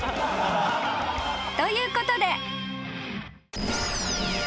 ということで］